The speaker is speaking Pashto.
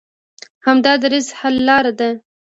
همدا دریځ حل لاره ده.